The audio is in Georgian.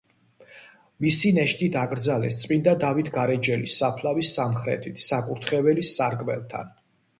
მისი ნეშტი დაკრძალეს წმიდა დავით გარეჯელის საფლავის სამხრეთით, საკურთხეველის სარკმელთან.